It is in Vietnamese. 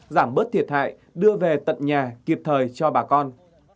giảm bớt thiệt hại đưa về tận nhà kịp thời cho bà con